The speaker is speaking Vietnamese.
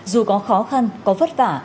dù có khó khăn có vất vả